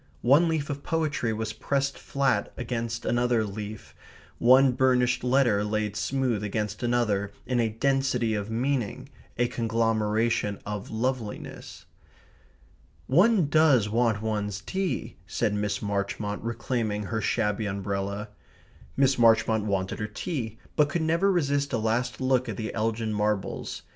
One leaf of poetry was pressed flat against another leaf, one burnished letter laid smooth against another in a density of meaning, a conglomeration of loveliness. "One does want one's tea," said Miss Marchmont, reclaiming her shabby umbrella. Miss Marchmont wanted her tea, but could never resist a last look at the Elgin Marbles.